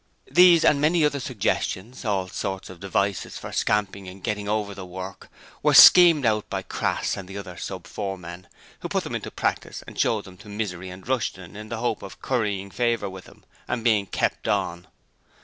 These and many other suggestions all sorts of devices for scamping and getting over the work were schemed out by Crass and the other sub foremen, who put them into practice and showed them to Misery and Rushton in the hope of currying favour with them and being 'kept on'.